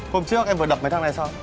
hôm trước em vừa đập mấy thằng này xong